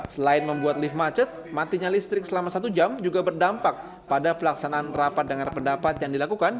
selain membuat lift macet matinya listrik selama satu jam juga berdampak pada pelaksanaan rapat dengar pendapat yang dilakukan